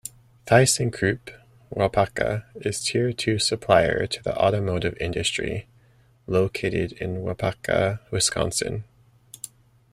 ThyssenKrupp Waupaca is tier two supplier to the automotive industry, located in Waupaca, Wisconsin.